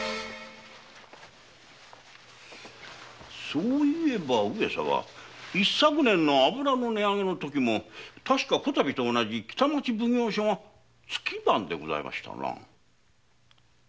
そういえば上様一昨年の油の値上げのときも確かこたびと同じ北町奉行所が月番でございましたな。